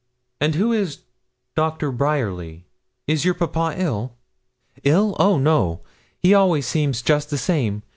And who is Doctor Bryerly is your papa ill?' 'Ill; oh no; he always seems just the same.